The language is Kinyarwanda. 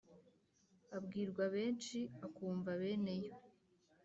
abwirwa benshi akumva beneyo